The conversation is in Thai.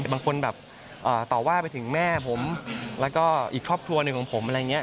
บางคนแบบต่อว่าไปถึงแม่ผมแล้วก็อีกครอบครัวหนึ่งของผมอะไรอย่างนี้